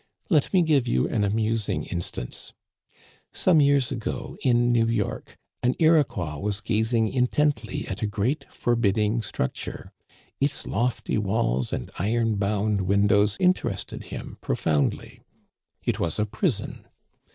Let me give you an amusing instance. Some years ago, in New York, an Iroquois was gazing intently at a great, forbidding structure. Its lofty walls and iron bound windows interested him profoundly. It was a prison.